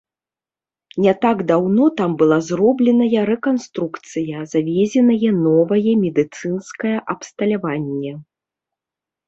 Не так даўно там была зробленая рэканструкцыя, завезенае новае медыцынскае абсталяванне.